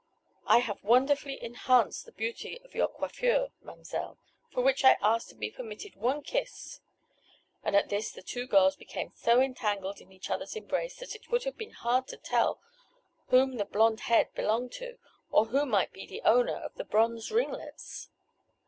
I have wonderfully enhanced the beauty of your coiffure, mam'selle, for which I ask to be permitted one kiss!" and at this the two girls became so entangled in each other's embrace that it would have been hard to tell whom the blond head belonged to, or who might be the owner of the bronze ringlets.